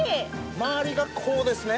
周りが子ですね？